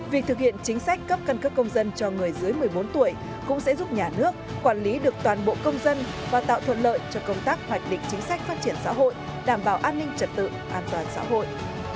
việc thực hiện chính sách cấp căn cước công dân cho người dưới một mươi bốn tuổi cũng sẽ giúp nhà nước quản lý được toàn bộ công dân và tạo thuận lợi cho công tác hoạch định chính sách phát triển xã hội đảm bảo an ninh trật tự an toàn xã hội